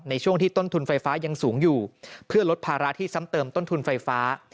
ในช่วงที่ต้นทุนไฟฟ้ายังสูงอยู่เพื่อลดภาระที่ซ้ำเติมต้นทุนไฟฟ้า